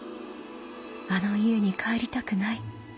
「あの家に帰りたくない」。